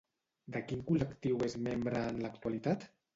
De quin col·lectiu és membre en l'actualitat?